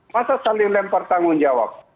masa saling lempar tanggung jawab